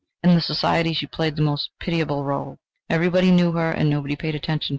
In society she played the most pitiable role. Everybody knew her, and nobody paid her any attention.